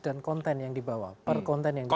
dan konten yang dibawa per konten yang dibawa